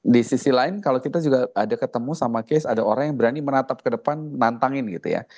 di sisi lain kalau kita juga ada ketemu sama case ada orang yang berani menatap ke depan nantangin gitu ya